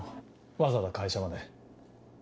わざわざ会社まで。